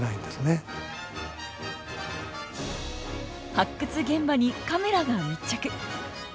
発掘現場にカメラが密着。